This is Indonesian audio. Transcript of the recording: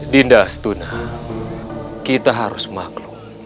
dinda astuna kita harus maklum